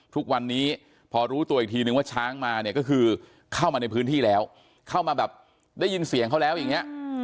ทุกวันนี้พอรู้ตัวอีกทีนึงว่าช้างมาเนี่ยก็คือเข้ามาในพื้นที่แล้วเข้ามาแบบได้ยินเสียงเขาแล้วอย่างนี้